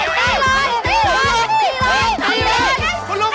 พอเดี๋ยวต้อง